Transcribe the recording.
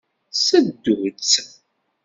Seddu-tt.